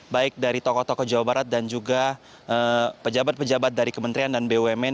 baik dari tokoh tokoh jawa barat dan juga pejabat pejabat dari kementerian dan bumn